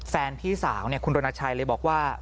แฟนพี่สาวเนี่ยคุณรณชัยเลยบอกว่า